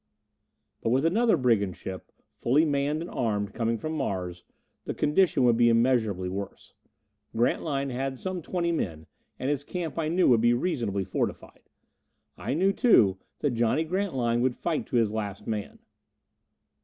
But with another brigand ship, fully manned and armed, coming from Mars, the condition would be immeasurably worse. Grantline had some twenty men, and his camp, I knew, would be reasonably fortified. I knew, too, that Johnny Grantline would fight to his last man.